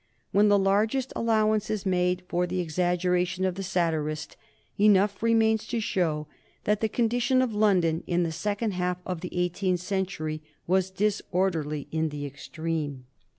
When the largest allowance is made for the exaggeration of the satirist, enough remains to show that the condition of London in the second half of the eighteenth century was disorderly in the extreme.